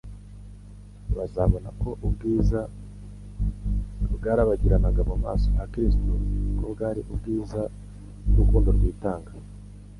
Bazabona ko ubwiza bwarabagiranaga mu maso ha Kristo ko bwari ubwiza bw'urukundo rwitanga.